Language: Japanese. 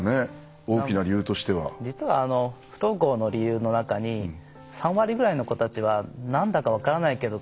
実は不登校の理由の中に３割ぐらいの子たちはなんだか分からないけど